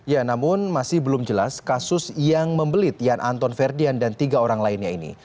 ya namun masih belum jelas kasus yang membelit yan anton ferdian dan tiga orang lainnya ini